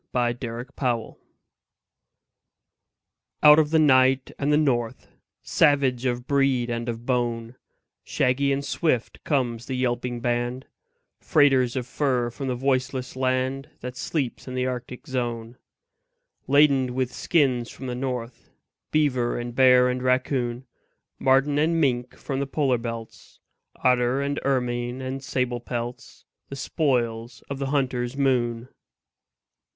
THE TRAIN DOGS Out of the night and the north; Savage of breed and of bone, Shaggy and swift comes the yelping band, Freighters of fur from the voiceless land That sleeps in the Arctic zone. Laden with skins from the north, Beaver and bear and raccoon, Marten and mink from the polar belts, Otter and ermine and sable pelts The spoils of the hunter's moon.